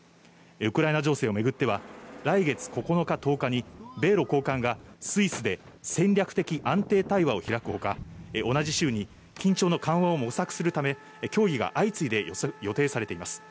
ウクライナ情勢をめぐっては来月９日、１０日に米露高官がスイスで戦略的安定対話をひらくほか、同じ週に緊張の緩和を模索するため、協議が相次いで予定されています。